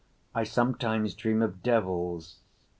I sometimes dream of devils.